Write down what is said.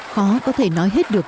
khó có thể nói hết được